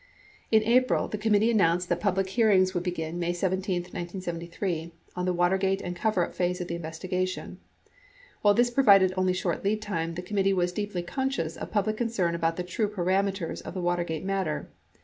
In April, the committee announced that public hearings would be gin May 17, 1973, on the Watergate and coverup phase of the investi gation. While this provided only short lead time, the committee was deeply conscious of public concern about the true parameters of the Watergate matter.